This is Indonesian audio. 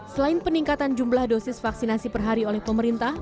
selain peningkatan jumlah dosis vaksinasi per hari oleh pemerintah